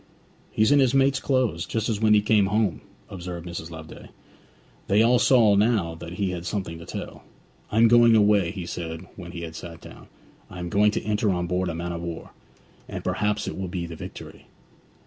'He's in his mate's clothes, just as when he came home!' observed Mrs. Loveday. They all saw now that he had something to tell. 'I am going away,' he said when he had sat down. 'I am going to enter on board a man of war, and perhaps it will be the Victory.'